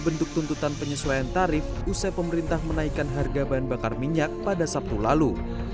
bentuk tuntutan penyesuaian tarif usai pemerintah menaikkan harga bahan bakar minyak pada sabtu lalu